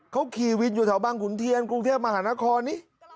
เขาขี่วินอยู่แถวบางขุนเทียนกรุงเทพมหานครนี่